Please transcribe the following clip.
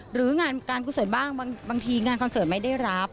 หรืองานการกุศลบ้างบางทีงานคอนเสิร์ตไม่ได้รับ